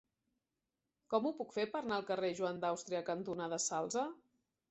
Com ho puc fer per anar al carrer Joan d'Àustria cantonada Salze?